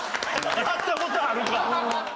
やった事あるか！